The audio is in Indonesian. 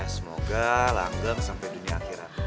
semoga langgeng sampai dunia akhirat